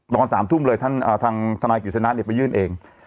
ตอน๓ทุ่มเลยท่านทางทนายกิจสนัดเนี่ยไปยื่นเอง